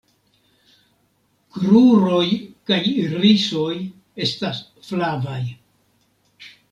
Kruroj kaj irisoj estas flavaj.